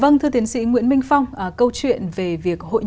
vâng thưa tiến sĩ nguyễn minh phong câu chuyện về việc hội nhập kinh tế